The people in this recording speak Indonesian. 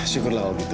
syukurlah om itu